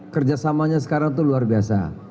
kerjasamanya sekarang itu luar biasa